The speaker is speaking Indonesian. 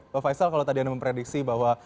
pak faisal kalau tadi anda memprediksi bahwa